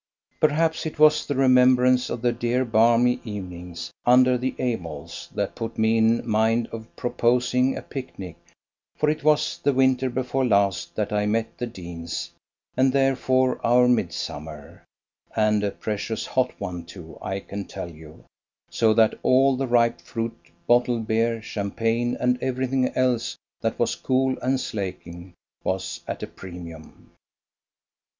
Perhaps it was the remembrance of the dear balmy evenings "under the Abeles" that put me in mind of proposing a picnic, for it was the winter before last that I met the Deanes, and therefore our midsummer, and a precious hot one too I can tell you, so that all the ripe fruit, bottled beer, champagne, and everything else that was cool and slaking was at a premium.